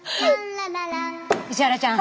石原ちゃん！